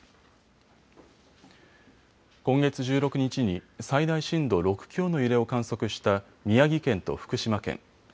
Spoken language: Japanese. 今月１６日に最大震度６強の揺れを観測した宮城県と福島県。